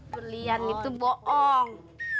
berlian itu bohong